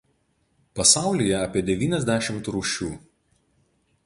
Pasaulyje apie devyniasdešimt rūšių.